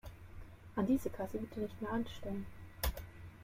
An diese Kasse bitte nicht mehr anstellen.